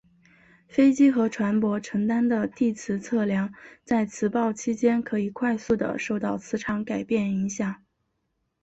飞机和船舶承担的地磁测量在磁暴期间可以快速的受到磁场改变影响。